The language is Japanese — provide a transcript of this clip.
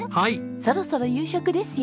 そろそろ夕食ですよ。